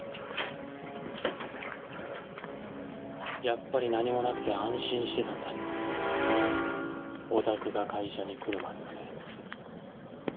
やっぱり何もなくて安心してたんだおたくが会社に来るまではね。